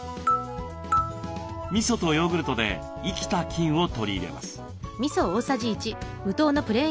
みそとヨーグルトで生きた菌を取り入れます。